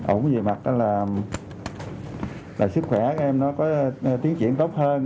ổn về mặt là sức khỏe các em có tiến triển tốt hơn